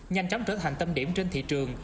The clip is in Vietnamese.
nhanh chóng trở thành tâm điểm trên thị trường